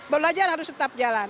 belajar harus tetap jalan